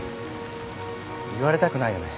言われたくないよね。